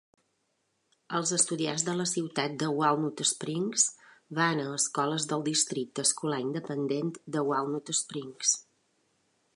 Els estudiants de la ciutat de Walnut Springs van a escoles del districte escolar independent de Walnut Springs.